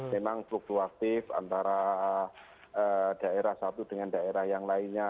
memang fluktuatif antara daerah satu dengan daerah yang lainnya